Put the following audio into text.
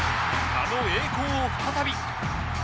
あの栄光を再び！